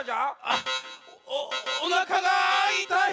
あっおおなかがいたい。